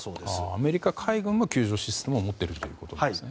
アメリカ海軍も救助システムを持っているんですね。